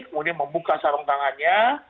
kemudian membuka sarung tangannya